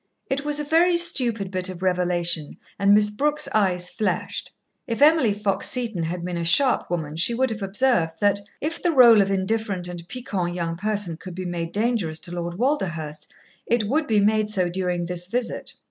It was a very stupid bit of revelation, and Miss Brooke's eyes flashed. If Emily Fox Seton had been a sharp woman, she would have observed that, if the rôle of indifferent and piquant young person could be made dangerous to Lord Walderhurst, it would be made so during this visit.